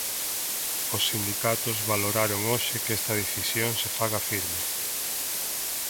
Os sindicatos valoraron hoxe que esta decisión se faga firme.